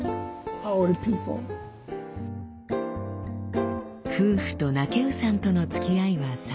夫婦とナケウさんとのつきあいは３０年。